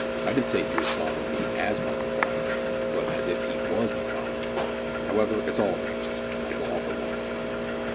I didn't say he was as fond o' me as my own father, but as if he was my father. However, it's all arranged, and I go off at once."